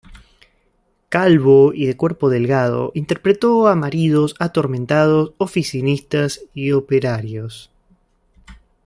Calvo y de cuerpo delgado, interpretó a maridos atormentados, oficinistas y operarios.